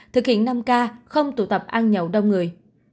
thực hiện năm k không tụ tập ăn nhậu đông người